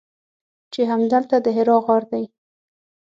چې همدلته د حرا غار دی.